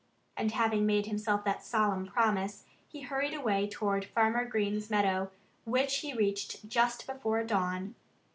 And having made himself that solemn promise, he hurried away toward Farmer Green's meadow, which he reached just before dawn.